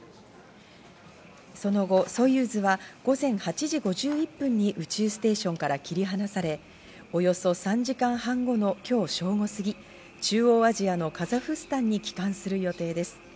その後ソユーズは午前８時５１分に宇宙ステーションから切り離され、およそ３時間半後の今日正午すぎ、中央アジアのカザフスタンに帰還する予定です。